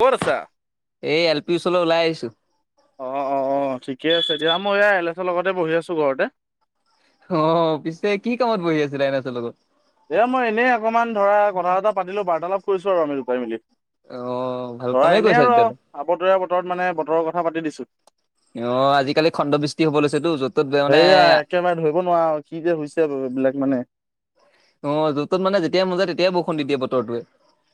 ক'ত আছা? এই এল পিৰ ওচৰলৈ ওলাই আহিছোঁ। অ অ অ ঠিকে আছে দিয়া মই এয়া এল এছৰ লগতে বহি আছোঁ ঘৰতে। অ পিছে কি কামত বহি আছিলা এনাছৰ লগত। এ মই এনেই অকণমান ধৰা কথা চটা পাতিলো বাৰ্তালাপ কৰিছোঁ আৰু আমি দুয়োটাই মেলি। অ ভাল ধৰা কামেই এনেই কৰিছা আৰু তেতিয়াহ'লে আবতৰীয়া বতৰত মানে বতৰৰ কথা পাতি দিছোঁ। অ আজিকালি খণ্ড বৃষ্টি হ'ব লৈছেতো য'ত। ত'ত মানে সেয়া একেবাৰে ধৰিব নোৱাৰো কি যে হৈছে এইবিলাক মানে। অ য'ত ত'ত মানে যেতিয়াই মন যায় তেতিয়াই বৰষুণ দিয়ে বতৰটোৱে।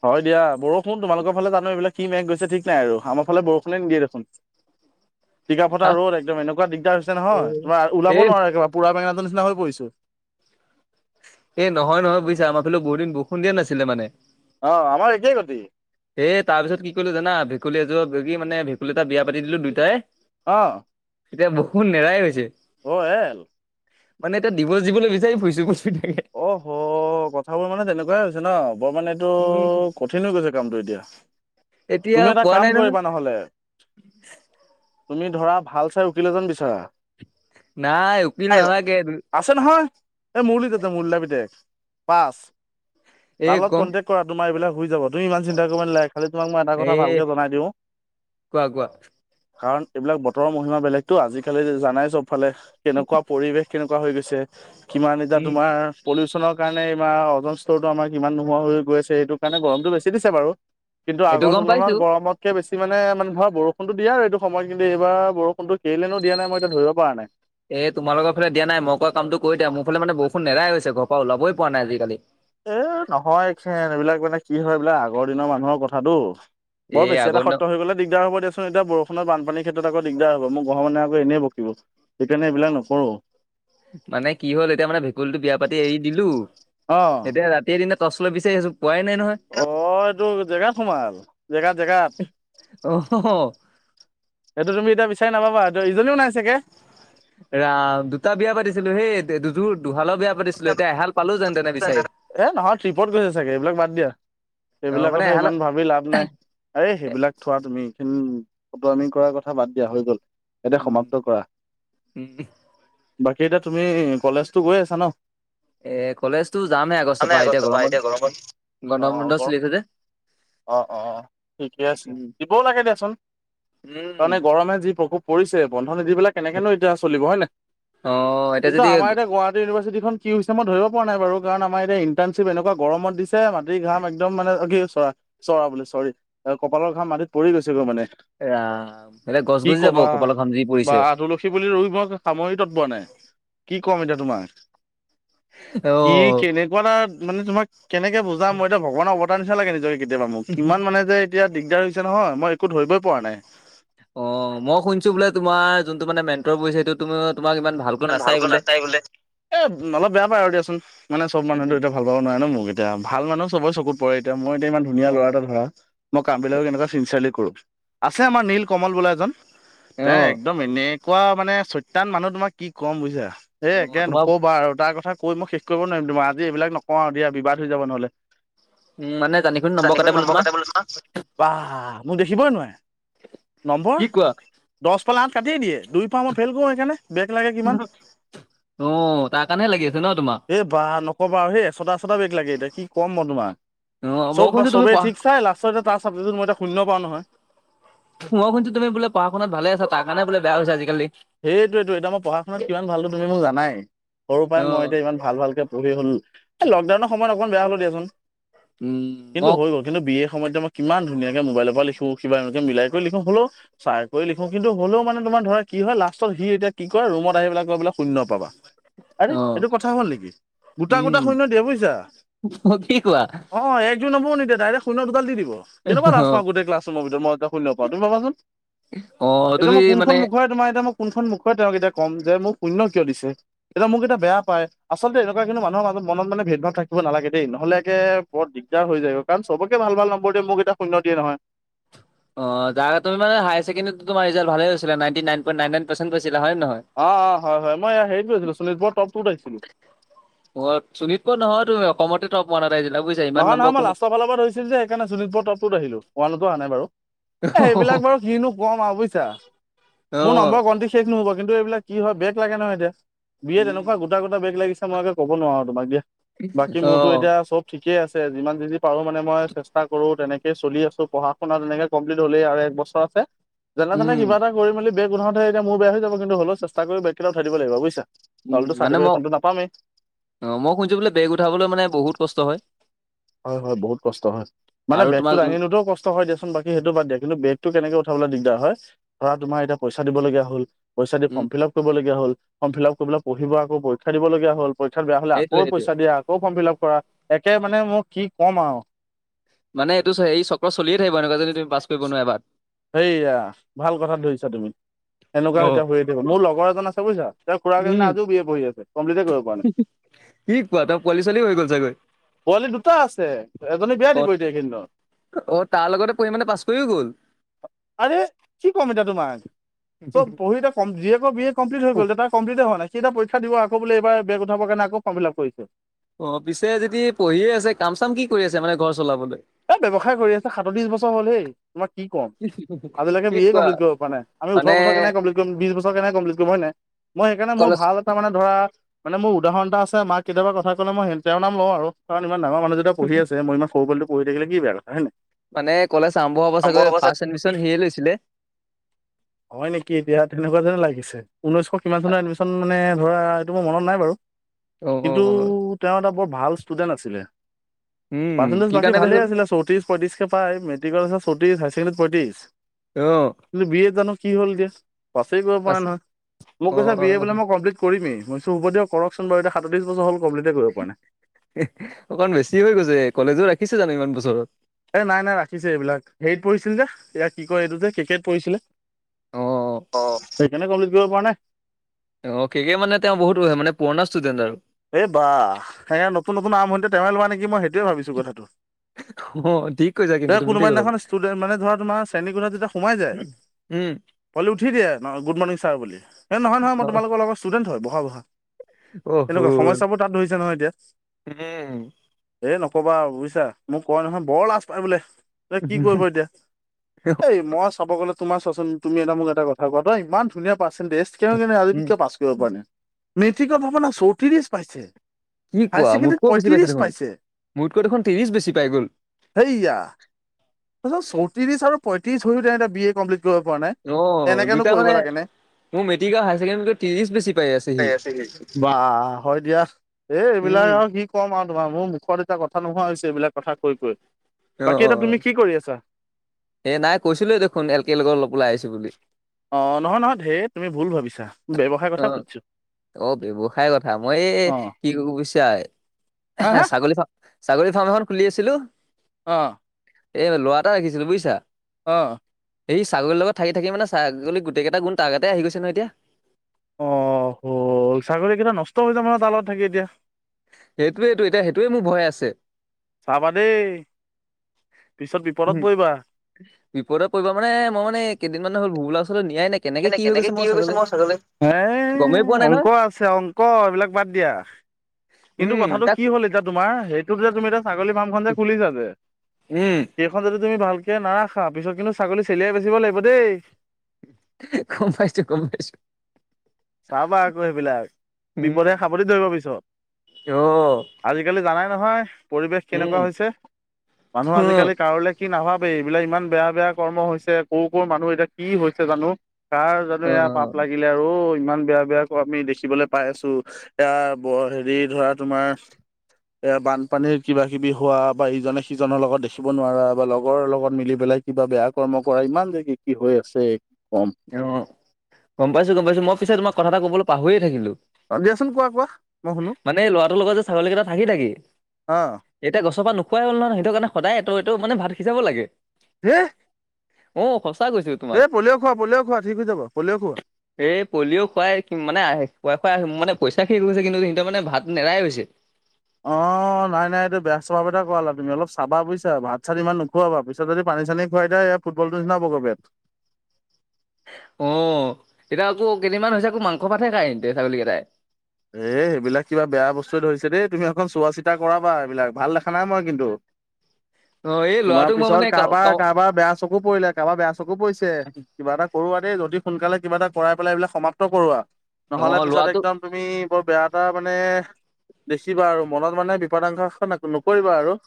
হয় দিয়া বৰষুণ তোমালকৰ ফালে জানো এইবিলাক কি মেঘ গৈছে ঠিক নাই আৰু আমাৰ ফালে বৰষুণে নিদিয় দেখোন। [inaudible] টিকা ফটা ৰ'দ একদম এনেকুৱা দিগদাৰ হৈছে নহয় তোমাৰ ওলাব এই নোৱাৰো একেবাৰে পুৰা বেঙেনাটোৰ নিচিনা হৈ পৰিছো। এ নহয় নহয় বুজিছা আমাৰ ফালে বহুদিন বৰষুণ দিয়া নাছিলে মানে। অ আমাৰ একেই গতি। হেই তাৰ পিছত কি কৰিলোঁ জানা ভেকুলী এযোৰ ধৰি মানে ভকুলী এটা বিয়া পাতি দিলোঁ দুইটাই। অ। এতিয়া বৰষুণ নেৰাই হৈছে। অ হে। মানে এতিয়া দিভৰ্চ দিবলৈ বিচাৰি ফুৰিছোঁ। [unintelligible] অ কথাবোৰ মানে তেনেকুৱাই হৈছে ন বৰমানে এইটো উম কঠিন হৈ গৈছে কামটো এতিয়া এতিয়া তুমি এটা পোৱা কাম নাই নহয় কৰিবা নহলে তুমি ধৰা ভাল চাই উকিলে যেন বিচাৰা নাই উকিল ন লাগে ত আছে নহয় এই মল ততে মলাব পাচ এই তত গম কটেক কৰা তোমাৰ এইবিলাক হৈ যাব তুমি ই চিন্তা কৰিব ন লাই খালি তোমাক মই এটা কথা এই ভালকে জনাই দিওঁ কোৱা কোৱা কাৰণ এইবিলাক বতৰৰ মহিমা বেলেগতো আজিিকালি জানাই চব ফালে কেনেকুৱা পৰিৱেশ কেনেকুৱা হৈ গৈছে কিমান এতিয়া তোমাৰ পলিউচনৰ কাৰণে এইমাৰ ওজন স্তৰটো আমাৰ কিমান নোহোৱা হৈ গৈছে সেইটো কাৰণে গৰমটো বেছি দিছে বাৰু কিন্তু এইটো আগৰ গম পাইছো তুলনাত গৰমত ত একে বেছি মানে মানে ধৰা বৰষুণো দিয় এইটো সময়ত কিন্তু এইাৰ বৰুণোেইলেনো দিয়া নাই মই এতি ধব পৰা নাই এই তোমালৰালে দিয়া নাই মই কামটো কৰিিয়া মোৰ ফালে মান বৰুেৰাইৈ ঘৰ পৰা ওলাবইোৱা নাই আজিকালি এ নহয়খেন এইবিলাক মানে কি হয় এইবিলাক আগৰ দিনৰ মানুহৰ কথাাতটো বৰ এই বেছি আগৰ দিনৰ এটাত্য হৈ গলে দিগদাৰ হবিয়াোন এতিয়া বৰ খনতানপানীৰ ক্ষেত্ৰত আকৌ দিগদাৰ হব মোৰ ঘৰ মানে আক এনেইকিব সেইকাৰে এইিলাক নকৰো মানে কি হ'ল এতিয়া মানে ভেকুলীতটো বিয়া পাতি এৰি দিলো অ', এতিয়া ৰাতিয়ৰ দনা তলৈ বিচছে সেইয পোৱাই নহয় অ এইটো জেগাত সোমাল জেগাত জেগাত অ সেইটো তুমি এতিয়া বিচাৰ নাবা এইটো ইজনীও নাই চাগে ৰাম দুটা বিয়া পাতিছিলো সেই দুযোৰ দুহালৰ বিয়া পা এ নহয় ট্ৰিপত গৈছে চাগে এইবিলাক বাদ দিয়া অ সেইবিলাক মানে কথা এহালত ইমান ভাবি লাভ নাই আৰে সেইবিলাক থোৱা তুমি এইখিন ফটো আমি কৰাৰ কথা বাদ দিয়া হৈ গল এতিয়া উম সমাপ্ত কৰা উম বাকী এতিয়া তুমি কলেজতটো গৈ আছা ন এ কলেজতো যামে আগষ্টৰ পৰা এতিয়া গৰম গন্ধ মোন্ধ চলি খোজে অঁ অঁ অঁ ঠিকে আছে দিবও লাগে দিয়াচোন উম তাৰমানে গৰমে যি প্ৰকোপ পৰিছে বন্ধ নিদ পেলাই কেনেকৈনো এতিয়া চলিব হয়নে অ এতিয়া কিন্তু আমাৰ যদি এতিয়া গুৱাহাটী ইউনিভাৰ্চিটিখন কিমত ধৰিব পৰা নাই বাৰ কাৰণমাৰ এতি ইটাৰ্শ্বপ এনেকুৱ গৰমত দি মাটিৰ ঘাম একদম মানে কি চৰা চৰা বুলিো চৰি কপালৰ ঘাম মাটিত পৰি গৈছেগৈ মানে ৰাম সেলে গছ গছি যাব কপালৰ খাম জৰি পৰিছে সেই বুলি ৰই মই সামৰি তৎপ নাই কি ক'ম এতিয়া তোমাক ই অ'। কেনেকুৱা এ মানে তোম কেকে বুজাম মই এতিয়া ভগৱানৰ অৱতাৰ নিচা লাগে নিজকে কেতিয়াবা মোক কিমান মানে যে এতিয়া দিগদাৰ হৈছে নহয় মই একো ধৰিবই পৰা নাই অ মই শুছো বোলে তোমাৰোনটো মানে মেণ্টৰ পুছে সেইটো ত তোমাৰ ইমান ভাল ভালকৈ নাাটায় বোলে এ অলপ বেয়া পায় আৰু দিয়াচোন মানে চব মানুহটো এ ভাল পাব নোৱাৰে ন মোক এতিয়া ভাল মানুহ চবৰে চকুত পৰে এতি মই এতি ইমান ধুীয়া লৰা অ', এটা ধৰা মই কামবিলাকো কেনেকুৱা চিনচিয়াৰলি কৰোঁ আছে আমাৰ নীল কমল বোলা এজন তেওঁ অ', একদম এনেই এোৱা মানে ছৈান মানুহ তোমাৰ কি কম বুজছা এই অ' একে তোমাৰ নকবা আৰু তাৰ কথা কৈ মই শেষ কৰিব নোৱাৰিম তোাৰ আজি এইবিলাক নকওঁ দিয়য়াবাদ হৈ যাব নহ'লে উম, মানে জানি শুনি কাটে বোলে নম্বৰ তোমাৰ কাহ মোক দেখিবই নোৱাৰে নম্বৰ, কি কোৱা? দহ পালে আঠ কাটিয়েই দিয়ে দুই পাওঁ মই ফেইল কৰো সেইকাৰণে বে অ' তাৰ কাৰণেহে লাগি আছে ন তোমাৰ। বাহ নকবা আৰু হেই ছটা ছটা বেক লাগে এতিয়া কি ক'ম মই তোমাক, অ', মই চব বা শুনিছো তুমি চবেই পঢ়া ঠিক চাই লা [unintelligible] তাৰ চাবজেকটোত মই শূন্য পাওঁ নহয়। মই শুনিছো তুমি বোলে পঢ়া শুনাত ভালেই তাৰ কাৰণেই বোলে বেয়া হৈছা আজিকালি। সেইটোৱেইটো এতিয়া মই পঢ়া শুনাত কিমান ভালো তুমি মোক জানাই, সৰুৰ পৰাই মই অ', এতিয়া ইমান ভাল ভালকে পঢ়ি হ'ল, এ লকডাউনৰ সময়ত অকমান বেয়া হ'লো দিয়াচোন, উম, কিন্তু মোক হৈ গ'ল। কিন্তু বিএৰ সময়ত যে মই কিমান ধুনীয়াকে মোবাইলৰ পৰা [unintelligible] মিলাই কৰি লিখো হ'লো চাই কৰি লিখো কিন্তু হ'লেও মানে তোমাৰ ধৰা কি হয় লাষ্টত সি এতিয়া কি কৰে ৰুমত আহি পেলাই কি কয় বোলে শূন্য পাবা। আৰে অ', এইটো কথা হ'ল নেকি, গোটা গোটা উম, শূন্যে দিয়ে বুজিছা। কি কোৱা? অ' একযোৰ নম্বৰ নিদিয়ে ডাইৰেক শূণ্য দুডাল দি দিব। কেনেকুৱা লাজ অ', পাওঁ গোটেই ক্লাছৰুমৰ ভিতৰত মই যেতিয়া শূন্য পাওঁ তুমি ভাবাচোন, অ', এতিয়া তুমি মই মানে কোনখন মূ তোমাৰ এতিয়া মোক কোনখন মুখ তেওঁক এতিয়া ক'ম যে মোক শূন্য কিয় দিছে। এতিয়া মোক এটা বেয়া পায়, আচলতে এনেকুৱা কিন্তু মানুহৰ মাজত মনত মানে ভাৱ থাকিব নালাগে দেই নহ'লে একে বৰ দিগদাৰ হৈ যায় কাৰণ চবকে ভাল ভাল নম্বৰ দিয়ে মোক এতিয়া শূন্য দিয়ে নহয়। অ' [unintelligible] তুমি মানে হায়াৰ চেকেণ্ডাৰীত ৰিজাল্ট ভালেই হৈছিলে নাইনটি নাই পইন্ট নাইন নাইন পাৰ্চেণ্ট পাইছিলা হয় নে নহয়। অ', অ', হয় হয় মই হেৰিত গৈছিলো শোণিতপুৰ টপ টুত আহিছিলো। [unintelligible] শোণিতপুৰ নহয় তুমি অসমতে টপ [unintelligible] নহয় নহয় কোনো লাষ্টৰ ফালৰ পৰা ধৰিছিলো যে সেইকাৰণে শোণিতপুৰ টপ টুত আহিলো, ওৱানতো অহা নাই বাৰু। এ সেইবিলাক বাৰু কিনো কম আৰু বুজিছা, অ মোৰ নম্বৰৰ ক শেষ নহ'ব কিন্তু এইবিলাক কি হয় বেক লাগে নহয় এতিয়া বি এত এনেকুৱা গোটা গোটা বেগ লাগিছে মই আগে ক'ব নোৱাৰো তোমাক দিয়া বাকী অ মোৰতো এতিয়া চব ঠিকেই আছে যিমান যিনি পাৰো মানে মই চেষ্টা কৰোঁ তেনেকেইে চলি আছো পঢ়া শুনা তেনেকৈ কমপ্লিট হ'লেই আৰু এক বছৰ [unintelligible] যেনে তেনে উম কিবা এটা কৰি মেলি বেগ উঠাওঁতে এতিয়া মোৰ বেয়া হৈ যাব কিন্তু হ'লেও চেষ্টা কৰি বেককেইটা উঠাই দিব লাগিব বুজিছা। উম, নহ'লেতো মানে ম, চাৰ্টিফিকেটখনতো নাপামেই। অ' মই শুনিছো বোলে বেক উঠাবলৈ মানে বহুত কষ্ট হয়। হয় হয় বহুত কষ্ট হয়, মানে আৰু বেগটো তোমাক যোন দাঙি নিওটো কষ্ট হয় দিয়াচোন বাকী সেইটো বাদ দিয়া বেগতটো কেনেকে উঠাবলৈ দিগদাৰ হয়, ধৰা তোমাৰ এতিয়া পইচা দিবলগীয়া হ'ল। পইচা দি উম ফৰ্ম ফিলাপ কৰিবলগীয়া হ'ল, ফৰ্ম ফিলাপ কৰিব পঢ়িব আকৌ পৰীক্ষা দিব লগীয়া হ'ল। পৰীক্ষাত বেয়া হ'লে সেইটোৱে আকৌ সেইটোৱে পইচা দিয়া আকৌ ফৰ্ম ফিলাপ কৰা, একে মানে মই কি ক'ম আৰু। মানে এইটো এই চক্ৰ চলিয়ে থাকিব এনেকুৱা যে তুমি পাছ কৰিব নোৱাৰ এবাৰ। সেইয়া, ভাল কথাত ধৰিছা তুমি। সেনেকুৱা অ [unintelligible] থাকিব মোৰ লগৰ এজন আছে বুজিছা তেওঁৰ খুড়াক এজনে উম আজিও বি এ পঢ়ি আছে কমপ্লিট কৰিব পৰা নাই। কি কোৱা তাৰ পোৱালি ছোৱালী হৈ গ'ল চাগৈ পোৱালি দুটা আছে, এজনী বিয়া অ দিব এতিয়া এইকেইদিনত। অ' তাৰ লগতে পঢ়ি মানে পাছ কৰি গ'ল। আৰে কি ক'ম এতিয়া তোমাক, চব পঢ়ি থাক [unintelligible] জীয়েকৰ বি এ কমপ্লিট হৈ গ'ল [unintelligible] হোৱাইেই নাই সি এতিয়া পৰীক্ষা দিব আকৌ বোলে এইবাৰ বেক উঠাব কাৰণে আকৌ ফৰ্ম ফিলাপ কৰিছে। অ' পিছে যদি পঢ়িয়ে আছে কাম চাম কি কৰি আছে মানে ঘৰ চলাবলৈ। এ ব্যৱসায় কৰি আছে সাতত্ৰিশ বছৰ হ'ল হেই, তোমাৰ কি ক'ম। কি আজিলৈকে বি এ কোৱা কমপ্লিট কৰিব পৰা নাই আমি মানে ওঠৰ বছৰে কেনেকে কমপ্লিট কৰিম বিশ বছৰ কেনেকে কমপ্লিট কৰিম হয় নাই। মই সেইকাৰণে মোৰ কলেজ ভাল [unintelligible] মানে ধৰা, মানে মোৰ উদাহৰণ এটা আছে মাক কেতিয়াবা কথা ক'লে মই তেওঁৰ নাম লওঁ আৰু। কাৰণ ইমান ডাঙৰ মানুহ যেতিয়া পঢ়ি আছে মই ইমান সৰু পোৱালীটো পঢ়ি থাকিলে কি বেয়া কথা হয় নাই। মানে কলেজ আৰম্ভ হ'ব নম্বৰ চাগৈ অৱস্থাত ফাষ্ট এডমিশন সিয়ে লৈছিলে। হয় নেকি এতিয়া তেনেকুৱা যেনে লাগিছে, ঊনৈশ কিমান চনত এডমিচন মানে ধৰা এইটো মোৰ মনত নাই বাৰু, অ অ কিন্তু অ তেওঁ এটা বৰ ভাল ষ্টুডেন্ট আছিলে। উম, কি কাৰণে [unintelligible] চৌত্ৰিশ পয়ত্ৰিশকে পাই মেট্ৰিকৰ চৌত্ৰিশ হায় ছেকেণ্ডাৰীত পয়ত্ৰিশ। অ'। কিন্তু বি এত জানো কি হ'ল দিয়য়া পাছেই কৰিব পৰা পাছ নহয় মোক অ কৈছ অ বি এ বোলে মই কম্লিট কৰিমেইইো হব দিয়কোন বাৰু এতি সাতত্ৰছৰ হলমপ্িট কৰিব পৰা নাই অকণ বেছি হৈ গৈছে কলেজো ৰাখিছে জানো ইমান বছৰত এ নাই নাই ৰাখিছে এইবিলাক হেৰিতঢিছিল যে ইয়াৰ কি কয় এইটো যে কে্ৰিকেট পঢ়িছিলে অ অ সেইকাৰণে কমপ্লিট কৰিব প পৰা নে অ সকে মানে তেওঁ বহুত মানে পুৰণা ষ্টুডেণ্ট আৰু এই বা সে নতুন নতুন আম্ভণিতে তেওঁে লোৱা নেকি মই সেইটোৱে ভাবিছো কথাটো অ ঠিক কৈছোগে ত কোনোবা দিনাখন ষ্টুড মান ধৰা তোাৰ শ্ৰেণীকোা যেতিয়া সোমাই যায়। উম পোৱলি উঠি দিয়ে ন গুড মৰ্ণিং ছাৰ বুলি, এই নহয় নহয় অ মই তোমালোকৰ লগৰ ষ্টুডেণ্ট হয়, বহা বহা। অ তেনেকুৱা হ'ল সমস্যাবোৰ তাত ধৰিছে নহয় এতিয়া। উম এ নকবা বুজিছা, মোক কয় নহয় বৰ লাজ পায় বোলে। এ কি কৰিব এতিয়া, এই মই চাব গলে তোমাৰ তুমি এটা মোক এটা কথা কোৱা ত ই ধুনীয়া পাৰ্চে কে কেনে আজিয়ে উম কিয় প ে মেতিক ভাৱনা চৌঠিৰ পাইছে। কি হায়াৰ কোৱা ছেকেণ্ডেৰীত মোটকৈও বেছি পাইছে পঁয়ত্ৰিশ দেখোন, মোটকৈ দেখোন ত্ৰিছ বেছি পাই গ'ল। সেইয়া। তাৰিছত চৌত্ৰিশ আৰু পঁয়ত্ৰিশ হৈও তেওঁ এয়া বি এ কমপ্লিট কৰিব পৰা নাই, অ এনেকেনো দুটা কৰিব মানে লাগে নে। মোৰ মেট্ৰিক আৰু হায়াৰ ছেকেণ্ডেৰীতকৈ ত্ৰিশ বেছি পাই আছে সি। [unintelligible] ব হয় দিয়া। এ এইবিলাক আৰু কি ক'ম আৰু তোমাৰ মোৰ মুখত এতিয়া কথা নোহোৱা হৈছে এইবিলাক কথা কৈ কৈ, বাকী এতিটা তুমি কি কৰি আছা? এই নাই কৈছিলোঁেই দেখোন, এল কে লগ অলপ ওলাই আহিছো বুলি। অ' নহয় নহয়, ঢেৰ তুমি ভুল ভাবিছা ব্যৱসায়ৰ কথা অ', সুধিছো। অ' ব্য্ৱসায়ৰ কথা, মই এই অ', কি ক বুইছা হা হা ছাগলী ফা ছাগলী ফাৰ্ম এখন খুলি আছিলো। অ'। এই ল' এটা ৰাখিছিলোঁ বুজিছা। অ'। এই ছাগলীৰ লগতাক থাক মানে ছাগলি গোটেইটা গোণ তোৰগাতে আহি গৈছে নহয় এতিয়া। অ' হ'ল ছাগলী কেইটা নষ্ট হৈ য মানে তালত থাকি এতিয়া। সেইটোৱেইটো, এতিয়া সেইটোৱে মোৰ ভয় আছে। চাবা দেই। পিছত বিপদত পৰিবা। বিপদত পৰিব মান মইামানে কেইদিনমান হল ভোবলা ওচৰলৈ নাই এনেকে এনেকে কি হৈ গৈছে, মই ছাগলী এ গমেই পোৱা নাই অংক নহয় আছে অংক এইবিলাক বাদ দিয়া। কিন্তু উম কথাটো তাক কি হ'ল এতিয়া তোমাৰ সেইটোত যে তুমি এতিয়া ছাগলী ফাৰ্মখন যে খুলিছা যে। উম সেইখন যদি তুমি ভালকে নাৰাখা, পিছত কিন্তু ছাগলী চেলিয়াই বচিব লাগিব দেই। গম পাইছো, গম পাইছো। চাবা আকৌ সেইবিলাক, উম বিপদে সাৱদি ধৰিব পিছত। অ'। আজিকালি জানাই নহয় পৰিৱেশ উম। কেনেকুৱা হৈছে, মানুহ অ', আজিকালি কাৰোলৈ কি নাভাবে এইবিলাক ইমান বেয়া বেয়া কৰ্ম হৈছে, ক' কৰ মানুহ এতিয়া কি হৈছে জানো। কাৰ জানো অ', এয়া পাপ অ', লাগি আৰু ইমান বেয়া বেয়া ক আমি দেখিবলৈ পাই আছো, এয়া হেৰি ধৰা তোমাৰ এ বানপানীৰ কিবা কিবি হোৱা, বা ইজনে সিজনৰ লগত দেখিব নোৱাৰা, বা লগৰ লগত মিলি পেলাই কিবা বেয়া কৰ্ম কৰা ইমান যেগে কি হৈ আছে কি কম। অ', গম পাইছোঁ, গম পাইছোঁ, মই পিছে তোমাক কথা এটা ক'বলৈ পাহৰিয়ই থাকিলোঁ। দিয়াচোন কোৱা কোৱা মই শুনো মানে লৰাটোৰ লগত যে ছাগলী কেইটা থাকি থাকি অ এতিয়া গছৰ পৰা নোখোৱাই হ'ল নহয়, সেইটো কাৰণে সদায় এইটো মানে ভাত সিজাব লাগে। হা? অ' সঁচা কৈছো। তোমাক। এই পলি' খওোৱা, পলিও খোৱা ঠিক হৈ যাব পলিও খওোৱা। এই পলিঅ' খুৱাই মানে, আহ খুৱাই খুৱাই মানে, পইচা শেষ গৈছে কিন্তু সিহঁৰ মানে ভাত নেৰাই গৈ হৈছে। অ', নাই নাই এইটো বেয়া চভাৱ এটা কৰালা তুমি অলপ চাবা বুইছা ভাত চাত ইমান নোখোৱা পিছত যদি পানী চানী খুৱাই দেয়া ফুবলটো নিনাব কৰবাত। অ' এতিয়া আকৌ কেইদিনমান হৈছে, আকৌ মাংস পাতহে কতে ছাগলী কেইটাই। এ সেইবিলাক কিবা বেয়া বস্তুৱয়ে ধৰিছে দেই, তুমি একখন চোৱা চিতা কৰাবা এইবিলাক ভাল দেখা নাই মই কিন্তু। অ', এই তোমাৰ ল'ৰাটোক মই পিছত মানে কাৰোবাৰ অ', কাৰোবাৰ বেয়া চকু পৰিলে, কাৰোবাৰ বেয়া চকু পৰিছে। কিবা এটা কৰা দেই, যল্ডি সোনকালে কিবা এটা কৰাই পেলাই এইবিলাক সমাপ্ত কৰোৱা, নহ'লে পিছত ল'ৰাটোক একদম, তুমি বৰ বেয়া এটা মানে, দেখিবা আৰু মনত মানে বিপদাংশ নকৰিবা আৰু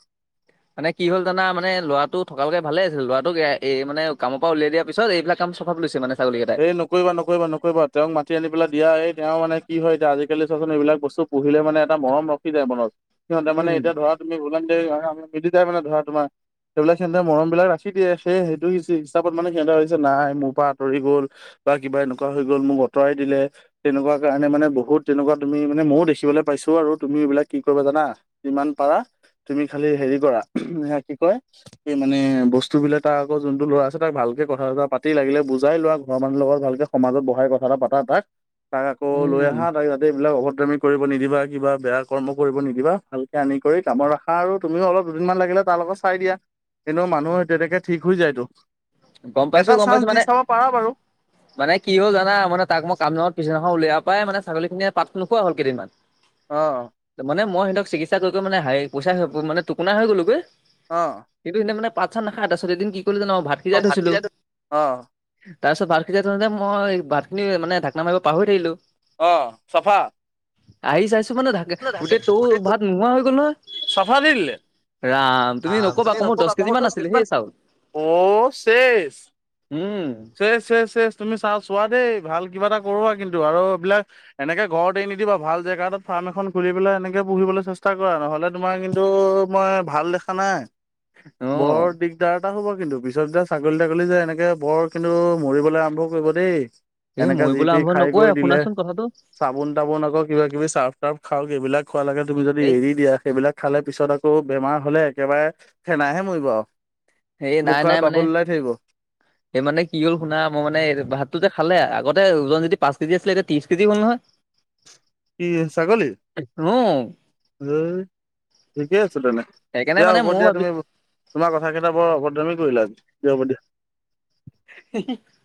মানে কি হ'ল জানা মানে ল'ৰাটো থকালেকে ভালে আছিল, ল'ৰাটোক এই মানে কামৰ পৰা উলিয়াই দিয়াৰ পিছত এইবিলাক। কাম চপ লৈছে মানে। ছাগলী কেইটাই। সেই ন, নকৰিা নকৰিা নকৰিবা তেওঁক মাতি আনি পেলা এই তেওঁ মানে কি হয় এতিয়া আজিকালি চোৱাচোন এইবিলাক বস্তু পুহিলে মানে এটা মৰম ৰখি যায় মনত, সিহঁতে উম। মানে এতিয়া ধৰা তুমি ওলাম যে মিলি যায় মানে ধৰা তোমাৰ সেইবিলাক সিহঁতে মৰম বিলাক ৰাখি দিয়ে, সেই সেইটো হিচাপত মানে সিহঁতে কৈছে নাই, মোৰ পৰা আঁতৰি গ'ল বা কিবা এনেকুৱা হৈ গ'ল, মোক আঁতৰাই দিলে। তেনেকুৱা কাৰণে মানে বহুত তেনেকুৱা তুমি মানে ময়ো দেখিবলৈ পাইছোঁ আৰু তুমি এইবিলাক কি কৰিবা জানা। যিমান পাৰা তুমি খালি হেৰি কৰা, স কি কয়। মানে বস্তু বিলাক তাৰ আকৌ যোনটো ল'ৰা আছে, তাক ভালকে কথা চথা পাতি লাগিলে বুজাই লোৱা। ঘৰৰ মানুহ লগত ভালকে সমাজত বহাই কথা এটা পাতা তাক, তাক আকৌ লৈ উম, আহা তাক যাতে এইবিলাক অভদ্ৰামী, কৰিব নিদিবা, কিবা বেয়া কৰ্ম কৰিব নিদিবা, ভালকে আনি কৰি কামত ৰাখা আৰু তুমিও অলপ দুদিনমান লাগিলে তাৰ লগত। চাই দিয়া, এনেও মানুহৰ তেনেকে ঠিক হৈ যায়তো। গম পাইছো এটা গম চান্স পাইছো দি মানে চাব পাৰা বাৰু। মানে কি হ'ল জানা, মানে তাক মই কামৰ পিছদিনাখন উলোৱা পাই মানে ছাগলিখিনিয়ে পাত নোখোৱা হ'ল কেইদিনমান। অ', মানে মই সিহঁতক চিকিৎসা কৰি কৰি মানে হেৰি পইচা মানে টোকোনা হৈ গ'লোগৈ। অ', কিন্তু এতিয়া মানে ভাত চাত নাখায়, তাৰপাছত এদিন কি কৰিলোঁ জা'ন ভাত অ সিজাই থৈছিলোঁ। ভাতিজাটো অ তাৰপিছত ভাত খিনি মই ভাত খিনি মানে ঢাকনা মাৰিব পাহৰি থাকিলোঁ। অ', চাফা। আহি চাইছোঁ মানে ঢাকে গোটেই তৌ ভাত নোহোৱা হৈ গ'ল নহয়। চাফা দি দিলে। ৰাম তুমি নক'বা আকৌ মোৰ দহ কেজি মান আছিলে সেই চাউল। অ', শেষ। উম্। শেষ শেষ শেষ তুমি চাউল চোৱা দেই, ভাল কিবা এটা কৰা কিন্তু আৰু এইবিলাক। এনেকে ঘৰত এৰি নিদিবা, ভাল জেগা এতাত ফাৰ্ম এখন খুলি পেলাই এনেকে পুহিবলৈ চেষ্টা কৰা নহ'লে, তোমাৰ কিন্তু মই ভাল দেখা নাই। অ', বৰ দিগদাৰ এটা হ'ব কিন্তু পিছত যেতিয়া ছাগলী তাগলী যে এনেকে বৰ কিন্তু মৰিবলৈ আৰম্ভ কৰিব দেই। এই এনেকে যি মৰিবলৈ তি আৰম্ভ খাই নকৰে কৰি দিলে। শুনাচোন কথাটো চাবোন তাবোন আকৌ কিবা কিবি চাৰ্ফ তাৰ্ফ খাওঁক, এইবিলাক খোৱালেকে তুমি যদি এই এৰি দিয়া। সেইবিলাক খালে পিছত আকৌ বেমাৰ হ'লে একেবাৰে ফেনাইহে মৰিব আৰু। মুখৰ বাবুল ওলাই থাকিব। সেই মানে কি হ'ল শুনা, মই মানে ভাতটো যে খালে আগতে যদি পাঁচ কেজি আছিলে, এতিয়া ত্ৰিশ কেজি হ'ল নহয়। [unintelligible] কি? ছাগলী, উম ঠিকে আছে তেনেকে, সেইকাৰণে দিয়া মানে হ'ব ময়ো দিয়া ভাবিলো তুমি। তোমাৰ কথাকেইটা বৰ অভদ্ৰামী কৰিলা, দিয়া হ'ব দিয়া। [inaudible]